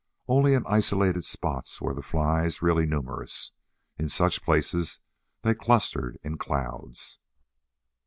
Only in isolated spots were the flies really numerous. In such places they clustered in clouds.